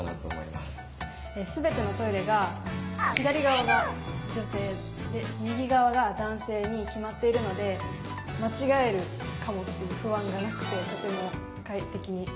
全てのトイレが左側が女性で右側が男性に決まっているので間違えるかもっていう不安がなくてとても快適に使えています。